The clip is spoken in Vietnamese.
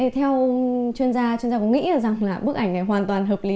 theo chuyên gia chuyên gia có nghĩ rằng là bức ảnh này hoàn toàn hợp lý